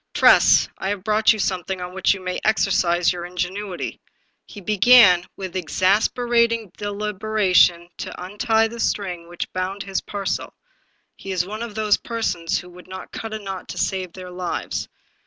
"Tress, I have brought you something on which you may exercise your ingenuity." He began, with exasperat ing deliberation, to untie the string which bound his par cel ; he is one of those persons who would not cut a knot to save their lives.